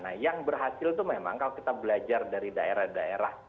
nah yang berhasil itu memang kalau kita belajar dari daerah daerah